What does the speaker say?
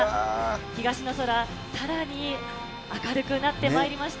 東の空、さらに明るくなってまいりました。